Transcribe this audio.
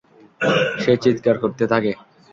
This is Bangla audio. সে চিৎকার করতে থাকে।